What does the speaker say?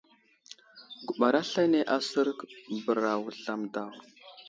Guɓar aslane asər bəra Wuzlam daw.